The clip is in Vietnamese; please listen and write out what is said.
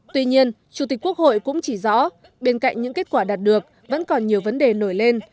tuy nhiên chủ tịch quốc hội cũng chỉ rõ bên cạnh những kết quả đạt được vẫn còn nhiều vấn đề nổi lên